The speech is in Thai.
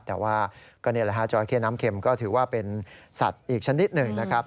แต่ว่าก็นี่แหละฮะจราเข้น้ำเข็มก็ถือว่าเป็นสัตว์อีกชนิดหนึ่งนะครับ